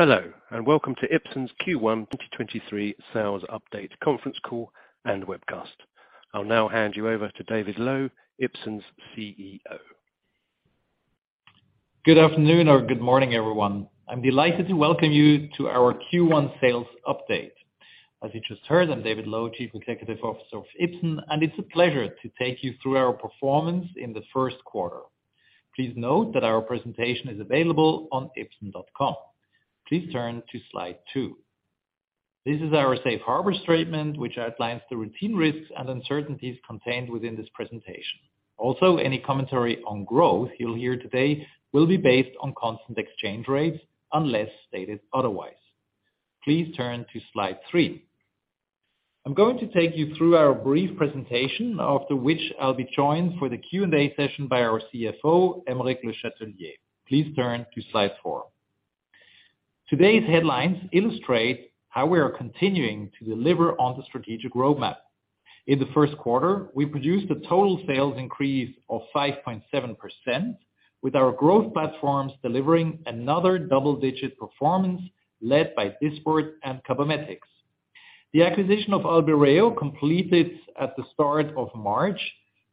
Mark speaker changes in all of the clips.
Speaker 1: Hello, and welcome to Ipsen's Q1 2023 Sales Update Conference Call and Webcast. I'll now hand you over to David Loew, Ipsen's CEO.
Speaker 2: Good afternoon or good morning, everyone. I'm delighted to welcome you to our Q1 sales update. As you just heard, I'm David Loew, Chief Executive Officer of Ipsen. It's a pleasure to take you through our performance in the first quarter. Please note that our presentation is available on ipsen.com. Please turn to slide two. This is our safe harbor statement, which outlines the routine risks and uncertainties contained within this presentation. Any commentary on growth you'll hear today will be based on constant exchange rates, unless stated otherwise. Please turn to slide three. I'm going to take you through our brief presentation after which I'll be joined for the Q&A session by our CFO, Aymeric Le Chatelier. Please turn to slide four. Today's headlines illustrate how we are continuing to deliver on the strategic roadmap. In the first quarter, we produced a total sales increase of 5.7%, with our growth platforms delivering another double-digit performance led by Dysport and Cabometyx. The acquisition of Albireo completed at the start of March,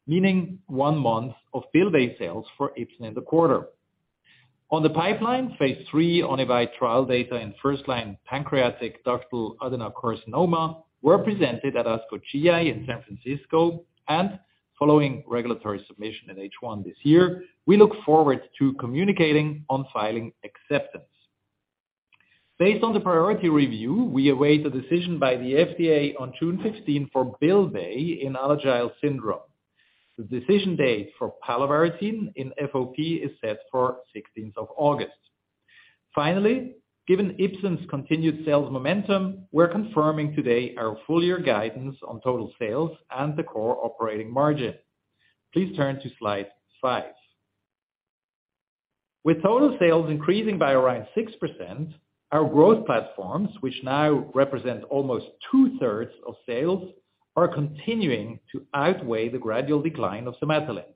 Speaker 2: meaning one month of bill-to sales for Ipsen in the quarter. Following regulatory submission in H1 this year, we look forward to communicating on filing acceptance. Based on the priority review, we await a decision by the FDA on June 15 for Bylvay in Alagille syndrome. The decision date for Palovarotene in FOP is set for August 16th. Finally, given Ipsen's continued sales momentum, we are confirming today our full year guidance on total sales and the core operating margin. Please turn to slide 5. With total sales increasing by around 6%, our growth platforms, which now represent almost two-thirds of sales, are continuing to outweigh the gradual decline of Somatostatin.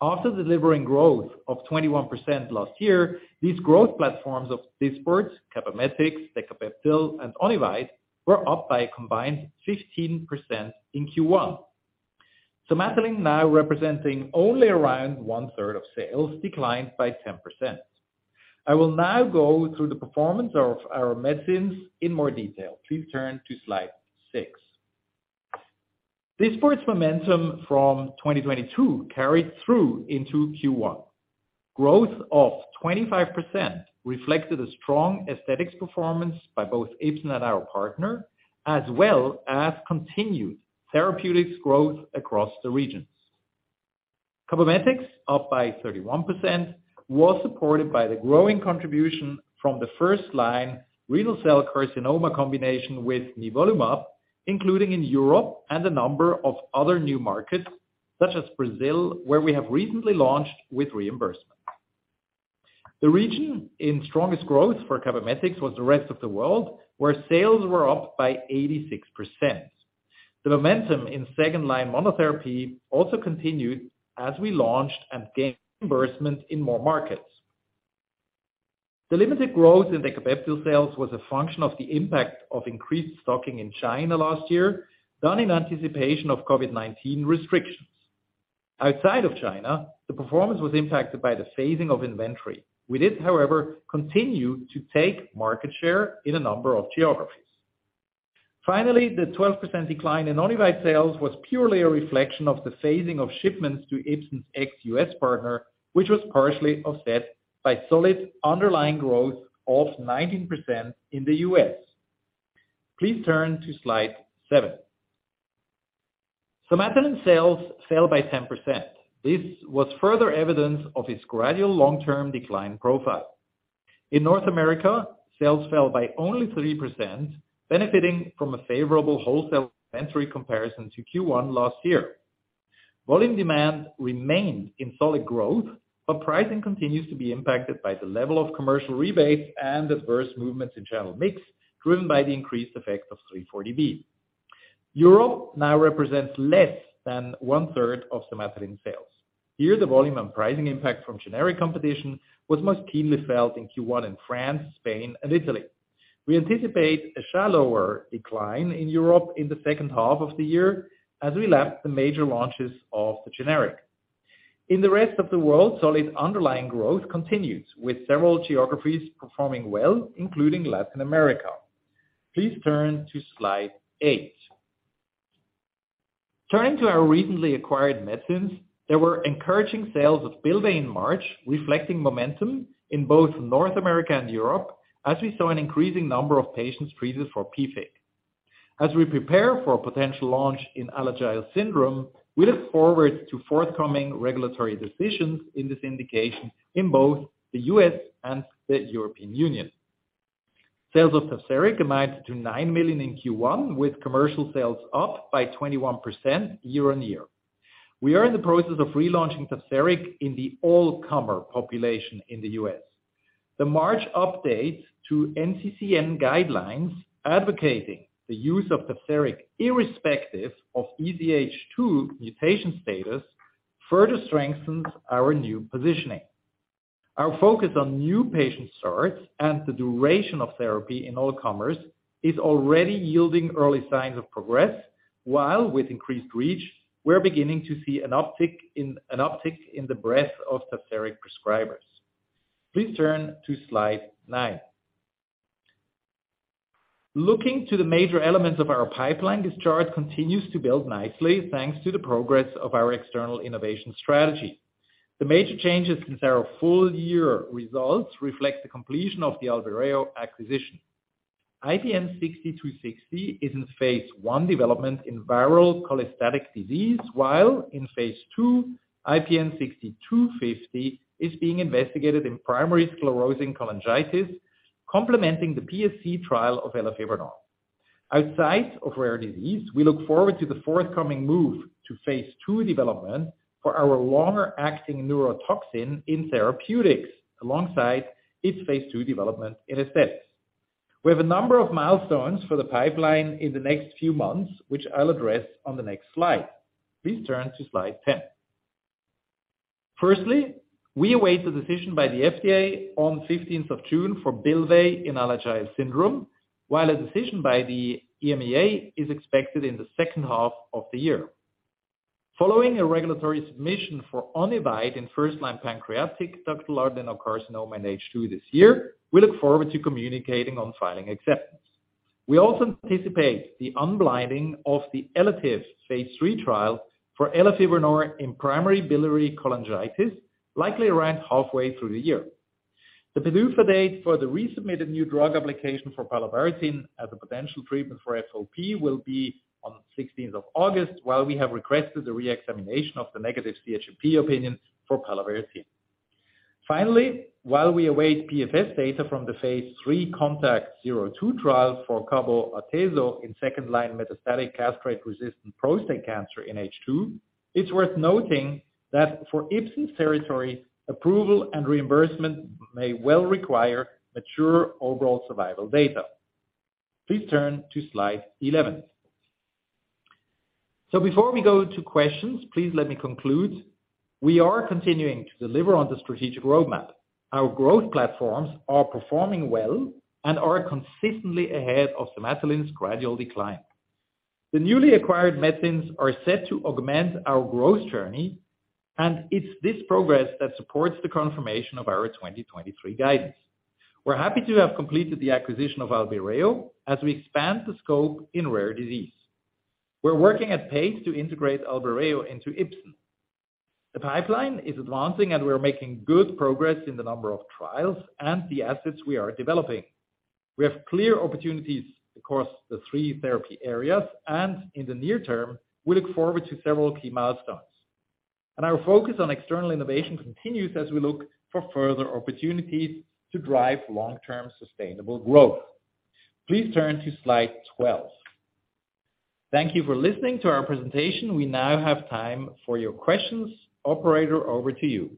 Speaker 2: After delivering growth of 21% last year, these growth platforms of Dysport, Cabometyx, Decapeptyl, and Onivyde were up by a combined 15% in Q1. Somatostatin now representing only around 1/3 of sales declined by 10%. I will now go through the performance of our medicines in more detail. Please turn to slide six. Dysport's momentum from 2022 carried through into Q1. Growth of 25% reflected a strong aesthetics performance by both Ipsen and our partner, as well as continued therapeutics growth across the regions. Cabometyx, up by 31%, was supported by the growing contribution from the first-line renal cell carcinoma combination with nivolumab, including in Europe and a number of other new markets, such as Brazil, where we have recently launched with reimbursement. The region in strongest growth for Cabometyx was the rest of the world, where sales were up by 86%. The momentum in second line monotherapy also continued as we launched and gained reimbursement in more markets. The limited growth in Decapeptyl sales was a function of the impact of increased stocking in China last year, done in anticipation of COVID-19 restrictions. Outside of China, the performance was impacted by the phasing of inventory. We did, however, continue to take market share in a number of geographies. Finally, the 12% decline in Onivyde sales was purely a reflection of the phasing of shipments to Ipsen's ex-U.S. partner, which was partially offset by solid underlying growth of 19% in the U.S. Please turn to slide seven. Somatuline sales fell by 10%. This was further evidence of its gradual long-term decline profile. In North America, sales fell by only 3%, benefiting from a favorable wholesale inventory comparison to Q1 last year. Volume demand remained in solid growth, but pricing continues to be impacted by the level of commercial rebates and adverse movements in channel mix, driven by the increased effect of 340B. Europe now represents less than 1/3 of Somatuline sales. Here, the volume and pricing impact from generic competition was most keenly felt in Q1 in France, Spain, and Italy. The rest of the world, solid underlying growth continues, with several geographies performing well, including Latin America. Please turn to slide 8. Turning to our recently acquired medicines, there were encouraging sales of Bylvay in March, reflecting momentum in both North America and Europe, as we saw an increasing number of patients treated for PFIC. As we prepare for a potential launch in Alagille syndrome, we look forward to forthcoming regulatory decisions in this indication in both the U.S. and the European Union. Sales of Tazverik amounted to 9 million in Q1, with commercial sales up by 21% year-on-year. We are in the process of relaunching Tazverik in the all-comer population in the U.S. The March update to NCCN guidelines advocating the use of Tazverik irrespective of EZH2 mutation status. Further strengthens our new positioning. Our focus on new patient starts and the duration of therapy in all comers is already yielding early signs of progress, while with increased reach, we're beginning to see an uptick in the breadth of the therapy prescribers. Please turn to slide nine. Looking to the major elements of our pipeline, this chart continues to build nicely thanks to the progress of our external innovation strategy. The major changes since our full year results reflect the completion of the Albireo acquisition. IPN6260 is in phase I development in viral cholestatic disease, while in phase II, IPN6250 is being investigated in primary sclerosing cholangitis, complementing the PSC trial of elafibranor. Outside of rare disease, we look forward to the forthcoming move to phase II development for our longer-acting neurotoxin in therapeutics alongside its phase II development in aesthetics. We have a number of milestones for the pipeline in the next few months, which I'll address on the next slide. Please turn to slide 10. Firstly, we await the decision by the FDA on 15th of June for Bylvay in Alagille syndrome, while a decision by the EMA is expected in the second half of the year. Following a regulatory submission for Onivyde in first-line pancreatic ductal adenocarcinoma in H2 this year, we look forward to communicating on filing acceptance. We also anticipate the unblinding of the ELATIVE phase III trial for elafibranor in primary biliary cholangitis, likely around halfway through the year. The PDUFA date for the resubmitted new drug application for palovarotene as a potential treatment for FOP will be on 16th of August, while we have requested a re-examination of the negative CHMP opinion for palovarotene. While we await PFS data from the phase III CONTACT-02 trial for cabo atezo in second-line metastatic castration-resistant prostate cancer in H2, it's worth noting that for Ipsen's territory, approval and reimbursement may well require mature overall survival data. Please turn to slide 11. Before we go to questions, please let me conclude. We are continuing to deliver on the strategic roadmap. Our growth platforms are performing well and are consistently ahead of Somatuline's gradual decline. The newly acquired medicines are set to augment our growth journey, and it's this progress that supports the confirmation of our 2023 guidance. We're happy to have completed the acquisition of Albireo as we expand the scope in rare disease. We're working at pace to integrate Albireo into Ipsen. The pipeline is advancing, and we are making good progress in the number of trials and the assets we are developing. We have clear opportunities across the three therapy areas, and in the near term, we look forward to several key milestones. Our focus on external innovation continues as we look for further opportunities to drive long-term sustainable growth. Please turn to slide 12. Thank you for listening to our presentation. We now have time for your questions. Operator, over to you.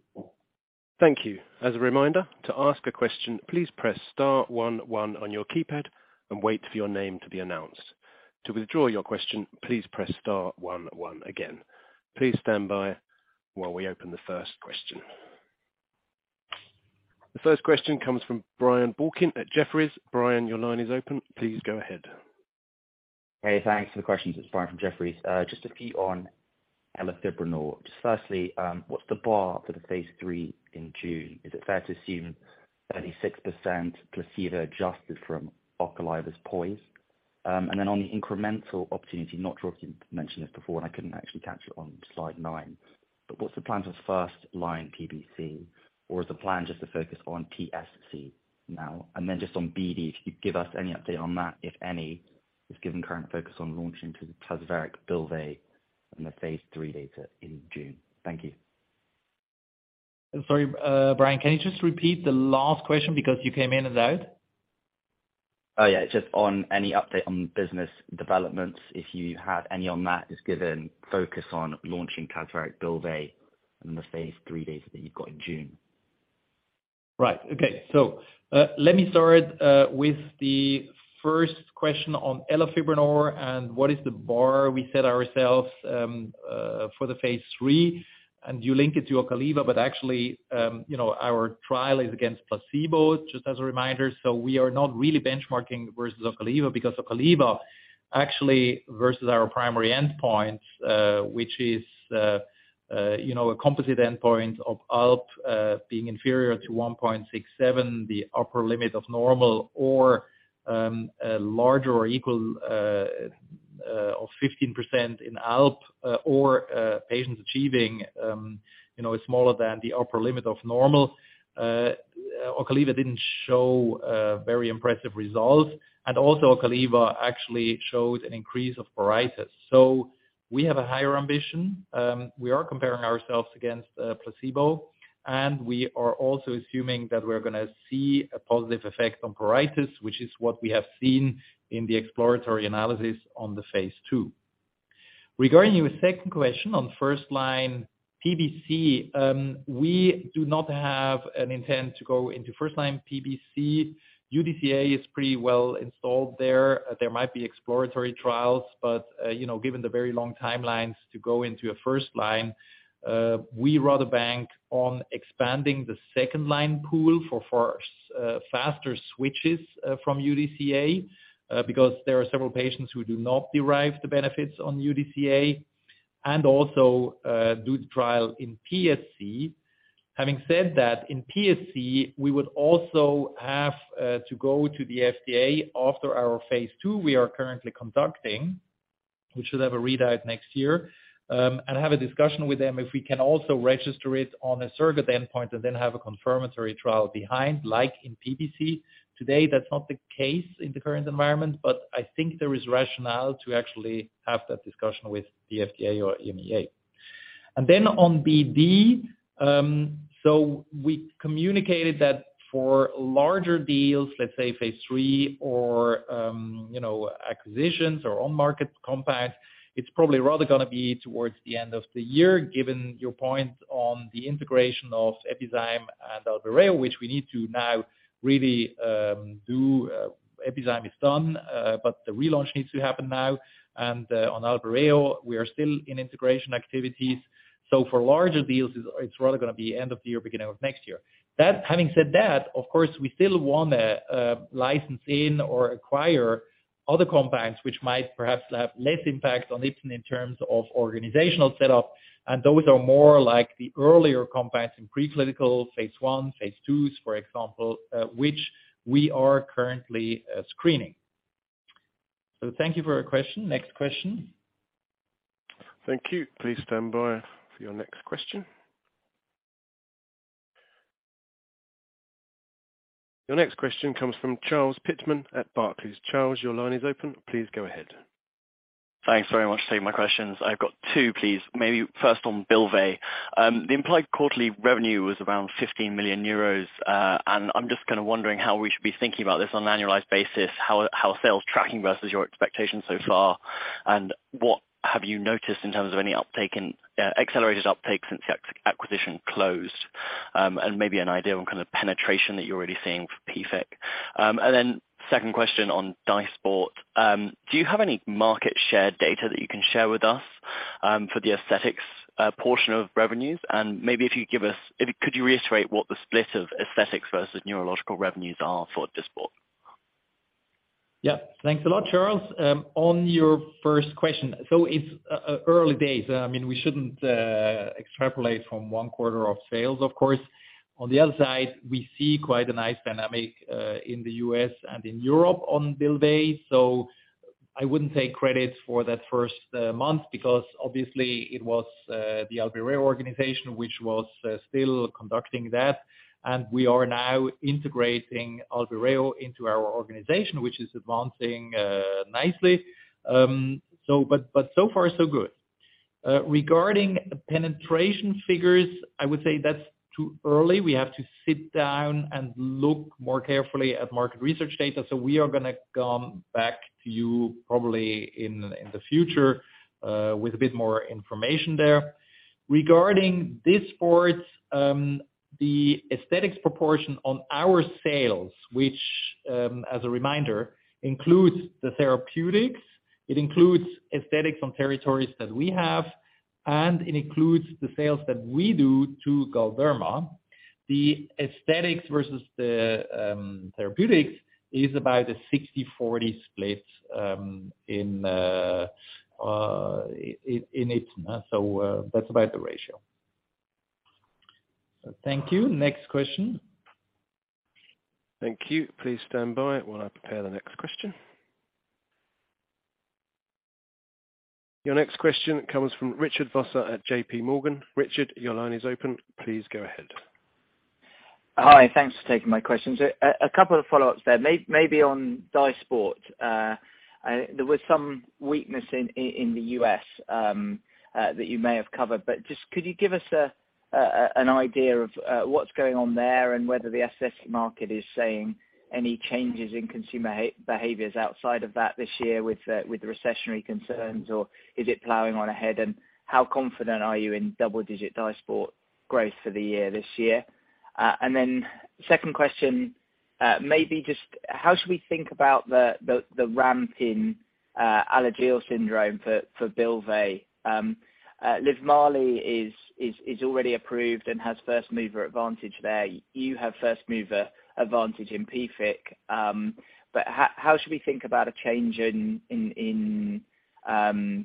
Speaker 1: Thank you. As a reminder, to ask a question, please press star one one on your keypad and wait for your name to be announced. To withdraw your question, please press star one one again. Please stand by while we open the first question. The first question comes from Brian Balchin at Jefferies. Brian, your line is open. Please go ahead.
Speaker 3: Hey, thanks for the questions. It's Brian from Jefferies. just a few on elafibranor. Just firstly, what's the bar for the phase III in June? Is it fair to assume 36% placebo adjusted from Ocaliva's POISE? On the incremental opportunity, not sure if you mentioned this before, and I couldn't actually catch it on slide nine, but what's the plan for the first line PBC, or is the plan just to focus on TSC now? just on BD, if you could give us any update on that, if any, just given current focus on launching Tazverik, Bylvay, and the phase III data in June. Thank you.
Speaker 2: Sorry, Brian, can you just repeat the last question because you came in and out?
Speaker 3: Oh, yeah. Just on any update on business developments, if you had any on that, just given focus on launching Tazverik, Bylvay, and the phase III data that you've got in June.
Speaker 2: Right. Okay. Let me start with the first question on elafibranor and what is the bar we set ourselves for the phase III, and you link it to Ocaliva, but actually, you know, our trial is against placebo, just as a reminder. We are not really benchmarking versus Ocaliva because Ocaliva actually versus our primary endpoint, which is, you know, a composite endpoint of ALP, being inferior to 1.67, the upper limit of normal or, a larger or equal, of 15% in ALP or, patients achieving, you know, smaller than the upper limit of normal. Ocaliva didn't show very impressive results, and also Ocaliva actually showed an increase of pruritus. We have a higher ambition. We are comparing ourselves against placebo, and we are also assuming that we're gonna see a positive effect on pruritus, which is what we have seen in the exploratory analysis on the phase II. Regarding your second question on first-line PBC, we do not have an intent to go into first-line PBC. UDCA is pretty well installed there. There might be exploratory trials, you know, given the very long timelines to go into a first-line, we rather bank on expanding the second-line pool for faster switches from UDCA, because there are several patients who do not derive the benefits on UDCA and also do the trial in PSC. Having said that, in PSC, we would also have to go to the FDA after our phase II we are currently conducting, which should have a readout next year, and have a discussion with them if we can also register it on a surrogate endpoint and then have a confirmatory trial behind, like in PBC. Today, that's not the case in the current environment, but I think there is rationale to actually have that discussion with the FDA or EMA. On BD, we communicated that for larger deals, let's say phase III or, you know, acquisitions or on-market compounds, it's probably rather gonna be towards the end of the year, given your point on the integration of Epizyme and Albireo, which we need to now really do. Epizyme is done, but the relaunch needs to happen now. On Albireo, we are still in integration activities. For larger deals, it's rather gonna be end of the year, beginning of next year. Having said that, of course, we still wanna license in or acquire other compounds which might perhaps have less impact on Ipsen in terms of organizational setup, and those are more like the earlier compounds in pre-clinical phase I, phase IIs, for example, which we are currently screening. Thank you for your question. Next question.
Speaker 1: Thank you. Please stand by for your next question. Your next question comes from Charles Pitman-King at Barclays. Charles, your line is open. Please go ahead.
Speaker 4: Thanks very much for taking my questions. I've got two, please. Maybe first on Bylvay. The implied quarterly revenue was around 15 million euros, and I'm just kinda wondering how we should be thinking about this on an annualized basis, how sales tracking versus your expectations so far, and what have you noticed in terms of any accelerated uptake since the acquisition closed, and maybe an idea on kind of penetration that you're already seeing for PFIC. Then second question on Dysport. Do you have any market share data that you can share with us for the aesthetics portion of revenues? Could you reiterate what the split of aesthetics versus neurological revenues are for Dysport?
Speaker 2: Yeah. Thanks a lot, Charles. On your first question. it's early days. I mean, we shouldn't extrapolate from one quarter of sales, of course. On the other side, we see quite a nice dynamic in the U.S. and in Europe on Bylvay. I wouldn't take credit for that first month because obviously it was the Albireo organization which was still conducting that, and we are now integrating Albireo into our organization, which is advancing nicely. but so far, so good. Regarding penetration figures, I would say that's too early. We have to sit down and look more carefully at market research data. We are gonna come back to you probably in the future with a bit more information there. Regarding Dysport, the aesthetics proportion on our sales, which, as a reminder, includes the therapeutics, it includes aesthetics on territories that we have, and it includes the sales that we do to Galderma. The aesthetics versus the therapeutics is about a 60/40 split in it. That's about the ratio. Thank you. Next question.
Speaker 1: Thank you. Please stand by while I prepare the next question. Your next question comes from Richard Vosser at JP Morgan. Richard, your line is open. Please go ahead.
Speaker 5: Hi. Thanks for taking my questions. A couple of follow-ups there. Maybe on Dysport. There was some weakness in the U.S. that you may have covered, but just could you give us an idea of what's going on there and whether the asset market is saying any changes in consumer behaviors outside of that this year with the recessionary concerns, or is it plowing on ahead? How confident are you in double-digit Dysport growth for the year this year? Second question, maybe just how should we think about the ramp in Alagille syndrome for Bylvay? Livmarli is already approved and has first-mover advantage there. You have first-mover advantage in PFIC. How should we think about a change in, you know,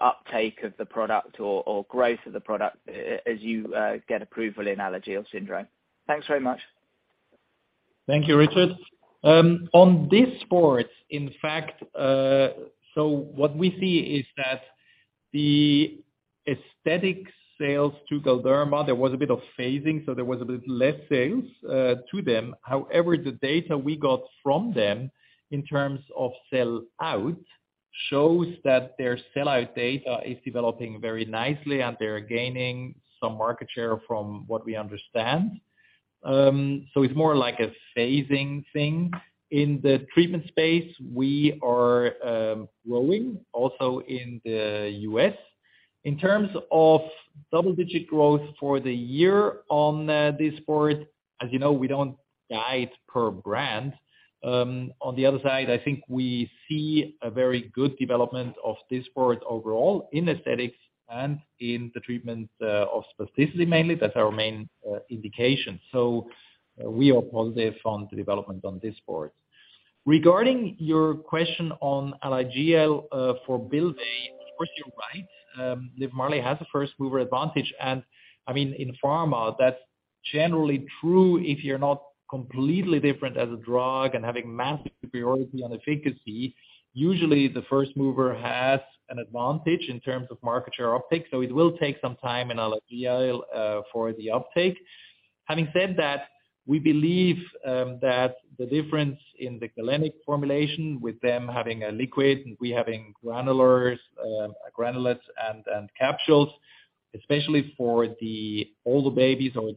Speaker 5: uptake of the product or growth of the product as you get approval in Alagille syndrome? Thanks very much.
Speaker 2: Thank you, Richard. What we see is that the aesthetic sales to Galderma, there was a bit of phasing, so there was a bit less sales to them. However, the data we got from them in terms of sellout shows that their sellout data is developing very nicely and they're gaining some market share from what we understand. It's more like a phasing thing. In the treatment space, we are growing also in the U.S. In terms of double-digit growth for the year on Dysport, as you know, we don't guide per brand. On the other side, I think we see a very good development of Dysport overall in aesthetics and in the treatment of spasticity mainly. That's our main indication. We are positive on the development on Dysport. Regarding your question on Alagille, for Bill, A, of course, you're right. Livmarli has a first-mover advantage, and I mean, in pharma, that's generally true if you're not completely different as a drug and having massive superiority on efficacy. Usually, the first mover has an advantage in terms of market share uptake, so it will take some time in Alagille, for the uptake. Having said that, we believe that the difference in the galenic formulation with them having a liquid and we having granulars, granulates and capsules, especially for the older babies or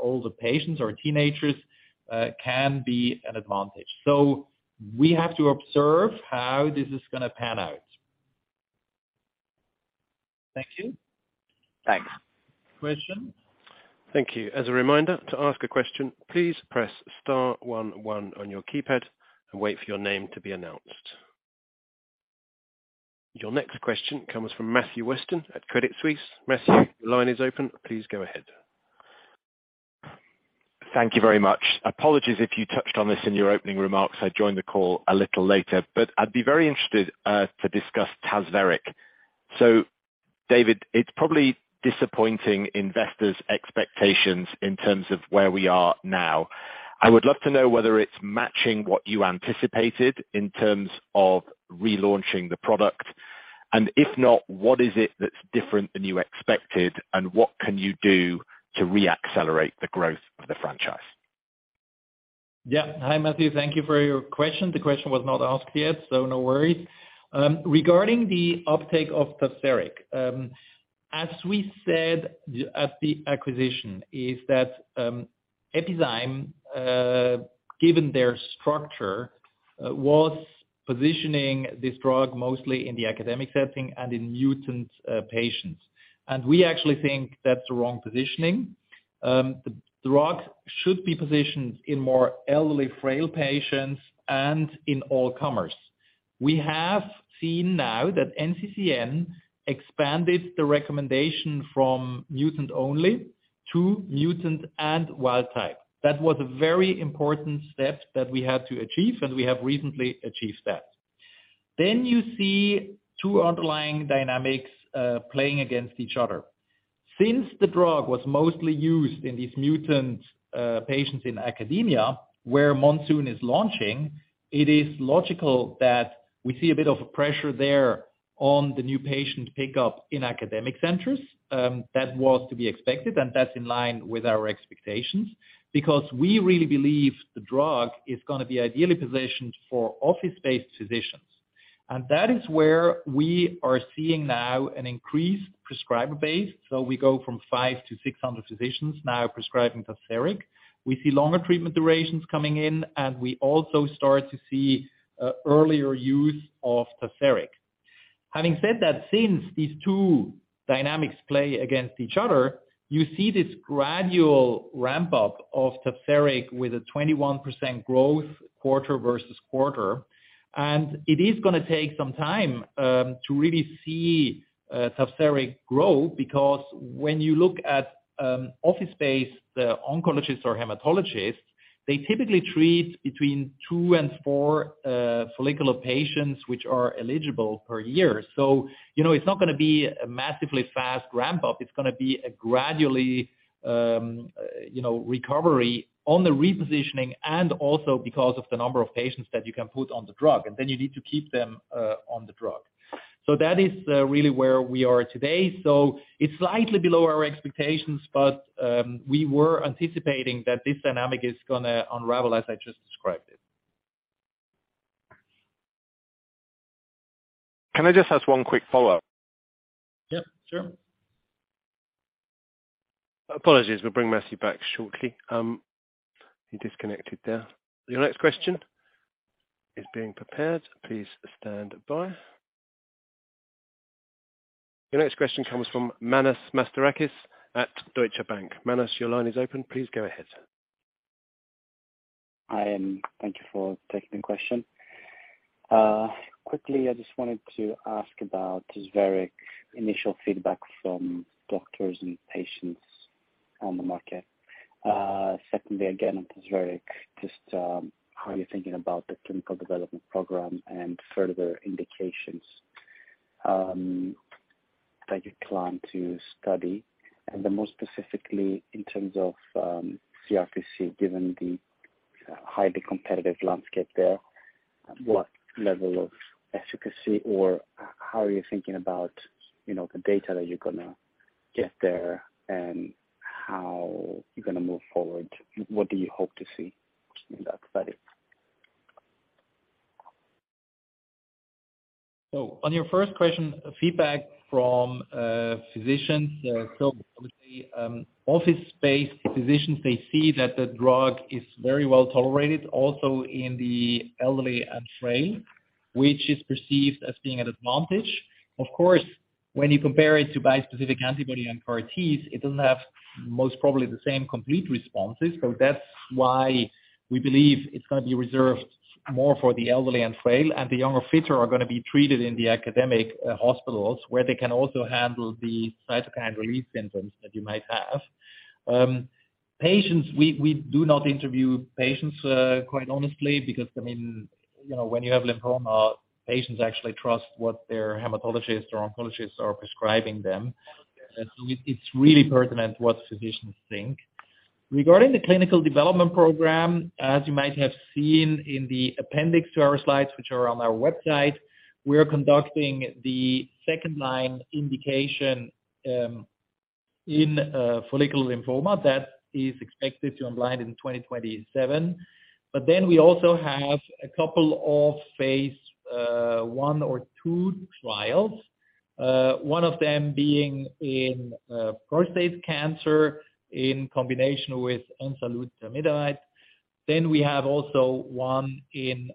Speaker 2: older patients or teenagers, can be an advantage. We have to observe how this is gonna pan out.
Speaker 5: Thank you. Thanks.
Speaker 1: Question. Thank you. As a reminder, to ask a question, please press star one one on your keypad and wait for your name to be announced. Your next question comes from Matthew Weston at Credit Suisse. Matthew, the line is open. Please go ahead.
Speaker 6: Thank you very much. Apologies if you touched on this in your opening remarks. I joined the call a little later. I'd be very interested to discuss Tazverik. David, it's probably disappointing investors' expectations in terms of where we are now. I would love to know whether it's matching what you anticipated in terms of relaunching the product. If not, what is it that's different than you expected, and what can you do to re-accelerate the growth of the franchise?
Speaker 2: Hi, Matthew. Thank you for your question. The question was not asked yet, so no worries. Regarding the uptake of Tazverik, as we said at the acquisition is that Epizyme, given their structure, was positioning this drug mostly in the academic setting and in mutant patients. We actually think that's the wrong positioning. The drug should be positioned in more elderly, frail patients and in all comers. We have seen now that NCCN expanded the recommendation from mutant only to mutant and wild type. That was a very important step that we had to achieve, and we have recently achieved that. You see two underlying dynamics playing against each other. Since the drug was mostly used in these mutant patients in academia, where Lunsumio is launching, it is logical that we see a bit of a pressure there on the new patient pickup in academic centers. That was to be expected, and that's in line with our expectations because we really believe the drug is gonna be ideally positioned for office-based physicians. That is where we are seeing now an increased prescriber base. We go from 500 to 600 physicians now prescribing Tazverik. We see longer treatment durations coming in, and we also start to see earlier use of Tazverik. Having said that, since these two dynamics play against each other, you see this gradual ramp-up of Tazverik with a 21% growth quarter versus quarter. It is gonna take some time to really see Tazverik grow because when you look at office-based oncologists or hematologists, they typically treat between two and four follicular patients which are eligible per year. You know, it's not gonna be a massively fast ramp-up. It's gonna be a gradually, you know, recovery on the repositioning and also because of the number of patients that you can put on the drug, and then you need to keep them on the drug. That is really where we are today. It's slightly below our expectations, but we were anticipating that this dynamic is gonna unravel as I just described it.
Speaker 6: Can I just ask one quick follow-up?
Speaker 2: Yeah, sure.
Speaker 1: Apologies. We'll bring Matthew back shortly. He disconnected there. Your next question is being prepared. Please stand by. Your next question comes from Manos Mastorakis at Deutsche Bank. Manos, your line is open. Please go ahead.
Speaker 7: Hi, thank you for taking the question. Quickly, I just wanted to ask about Tazverik initial feedback from doctors and patients on the market. Secondly, again, on Tazverik, just how you're thinking about the clinical development program and further indications that you plan to study. More specifically, in terms of CRPC, given the highly competitive landscape there, what level of efficacy or How are you thinking about, you know, the data that you're gonna get there and how you're gonna move forward? What do you hope to see in that study?
Speaker 2: On your first question, feedback from physicians, so obviously, office-based physicians, they see that the drug is very well tolerated also in the elderly and frail, which is perceived as being an advantage. Of course, when you compare it to bispecific antibody and CAR-Ts, it doesn't have most probably the same complete responses. That's why we believe it's gonna be reserved more for the elderly and frail, and the younger fitter are gonna be treated in the academic hospitals where they can also handle the cytokine release syndrome that you might have. Patients, we do not interview patients quite honestly, because, I mean, you know, when you have lymphoma, patients actually trust what their hematologist or oncologist are prescribing them. It's really pertinent what physicians think. Regarding the clinical development program, as you might have seen in the appendix to our slides, which are on our website, we are conducting the second-line indication in follicular lymphoma that is expected to unblind in 2027. We also have a couple of phase I or two trials, one of them being in prostate cancer in combination with enzalutamide. We have also one in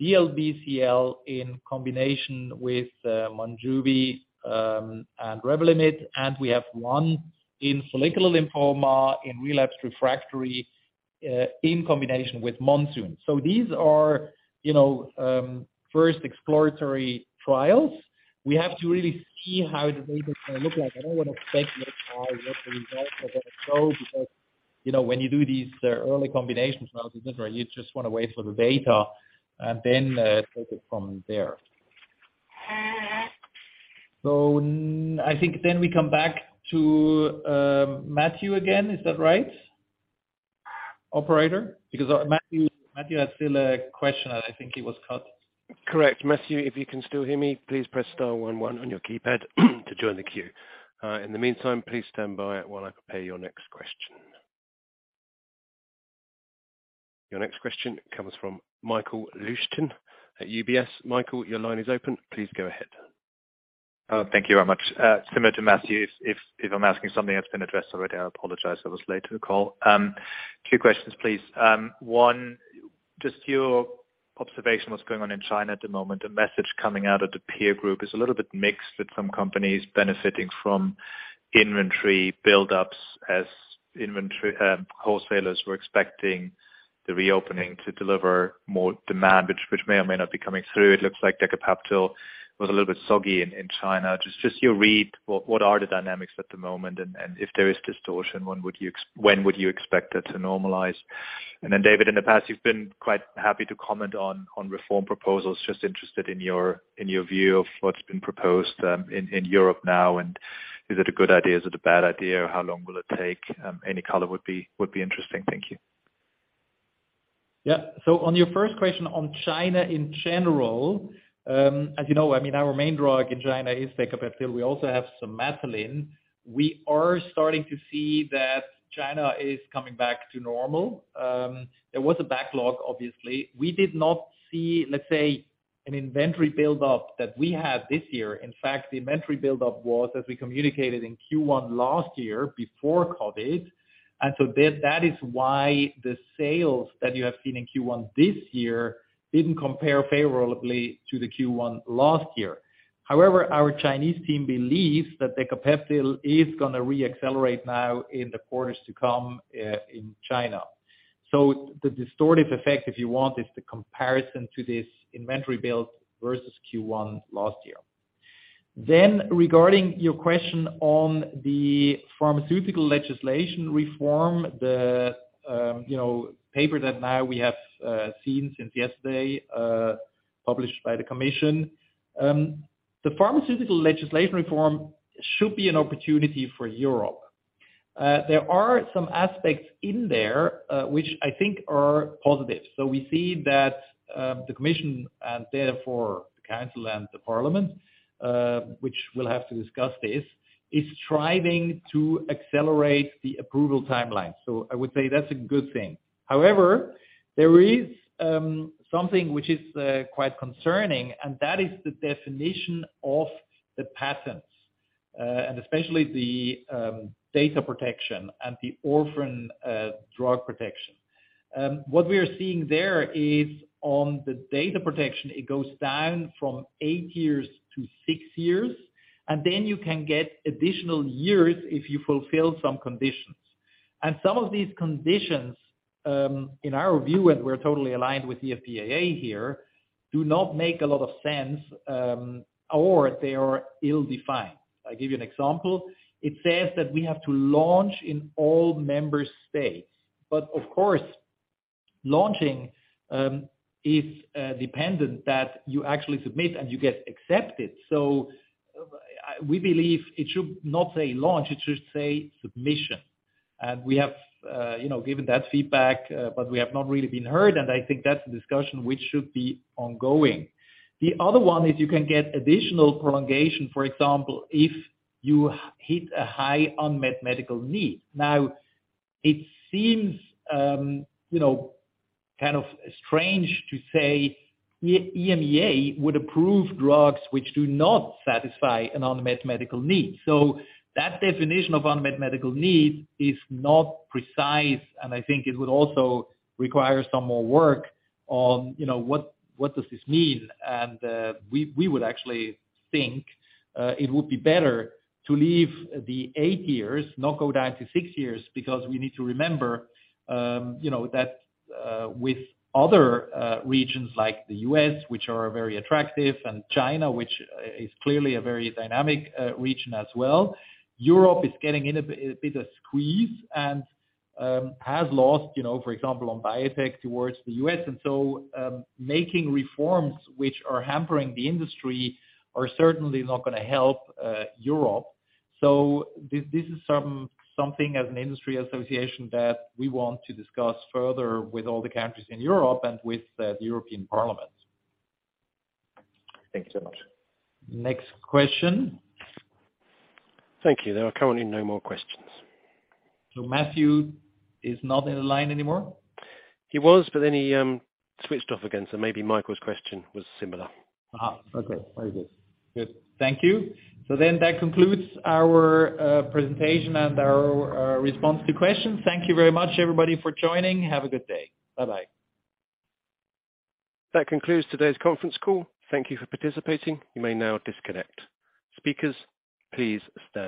Speaker 2: DLBCL in combination with Monjuvi and REVLIMID, and we have one in follicular lymphoma in relapsed refractory in combination with Lunsumio. These are, you know, first exploratory trials. We have to really see how the data is gonna look like. I don't wanna speculate what the results are gonna show because, you know, when you do these early combinations, well, it's different. You just wanna wait for the data and then take it from there. I think then we come back to Matthew again. Is that right, operator? Matthew had still a question, and I think he was cut.
Speaker 1: Correct. Matthew, if you can still hear me, please press star one one on your keypad to join the queue. In the meantime, please stand by while I prepare your next question. Your next question comes from Michael Leuchten at UBS. Michael, your line is open. Please go ahead.
Speaker 8: Thank you very much. Similar to Matthew, if I'm asking something that's been addressed already, I apologize. I was late to the call. Two questions, please. One, just your observation what's going on in China at the moment. The message coming out of the peer group is a little bit mixed, with some companies benefiting from inventory buildups as inventory, wholesalers were expecting the reopening to deliver more demand, which may or may not be coming through. It looks like Decapeptyl was a little bit soggy in China. Just your read, what are the dynamics at the moment? If there is distortion, when would you expect it to normalize? David, in the past you've been quite happy to comment on reform proposals. Just interested in your view of what's been proposed in Europe now. Is it a good idea? Is it a bad idea? How long will it take? Any color would be interesting. Thank you.
Speaker 2: Yeah. On your first question on China in general, as you know, I mean, our main drug in China is Decapeptyl. We also have Somatuline. We are starting to see that China is coming back to normal. There was a backlog obviously. We did not see, let's say, an inventory buildup that we had this year. In fact, the inventory buildup was as we communicated in Q1 last year before COVID-19, that is why the sales that you have seen in Q1 this year didn't compare favorably to the Q1 last year. However, our Chinese team believes that Decapeptyl is gonna reaccelerate now in the quarters to come in China. The distorted effect, if you want, is the comparison to this inventory build versus Q1 last year. Regarding your question on the pharmaceutical legislation reform, the, you know, paper that now we have seen since yesterday, published by the commission. The pharmaceutical legislation reform should be an opportunity for Europe. There are some aspects in there, which I think are positive. We see that the commission and therefore the council and the European Parliament, which will have to discuss this, is striving to accelerate the approval timeline. I would say that's a good thing. There is something which is quite concerning, and that is the definition of the patents, and especially the data protection and the orphan drug protection. What we are seeing there is on the data protection, it goes down from eight years to six years, and then you can get additional years if you fulfill some conditions. Some of these conditions, in our view, and we're totally aligned with EFPIA here, do not make a lot of sense, or they are ill-defined. I'll give you an example. It says that we have to launch in all member states, but of course, launching is dependent that you actually submit and you get accepted. We believe it should not say launch, it should say submission. We have, you know, given that feedback, but we have not really been heard, and I think that's a discussion which should be ongoing. The other one is you can get additional prolongation, for example, if you hit a high unmet medical need. It seems, you know, kind of strange to say EMA would approve drugs which do not satisfy an unmet medical need. That definition of unmet medical needs is not precise, and I think it would also require some more work on, you know, what does this mean? We would actually think it would be better to leave the eight years, not go down to six years because we need to remember, you know, that with other regions like the U.S., which are very attractive, and China, which is clearly a very dynamic region as well. Europe is getting in a bit of squeeze and has lost, you know, for example, on biotech towards the U.S. Making reforms which are hampering the industry are certainly not gonna help Europe. This is something as an industry association that we want to discuss further with all the countries in Europe and with the European Parliament.
Speaker 8: Thank you so much.
Speaker 2: Next question.
Speaker 1: Thank you. There are currently no more questions.
Speaker 2: Matthew is not in the line anymore?
Speaker 1: He was, but then he switched off again, so maybe Michael Leuchten's question was similar.
Speaker 2: Okay. Very good. Good. Thank you. That concludes our presentation and our response to questions. Thank you very much, everybody, for joining. Have a good day. Bye-bye.
Speaker 1: That concludes today's conference call. Thank you for participating. You may now disconnect. Speakers, please stand by.